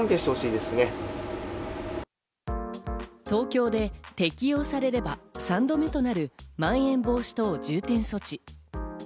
東京で適用されれば、３度目となるまん延防止等重点措置。